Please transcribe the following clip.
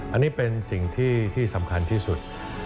อันนี้เป็นสิ่งที่สำคัญที่สุด